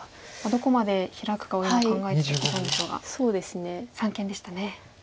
どこまでヒラくかを今考えていたんでしょうが三間でしたね。